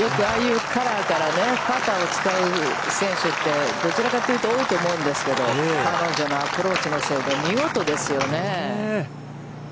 よくああいうカラーからパターを使う選手って、どちらかというと、多いと思うんですけれども、彼女のアプローチの精度は見事ですよね。